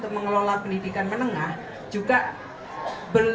pemerintah yang memiliki tanggung jawab